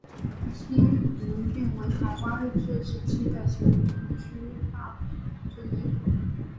新营郡为台湾日治时期的行政区划之一。